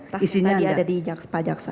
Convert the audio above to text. tasnya tadi ada di pajaksa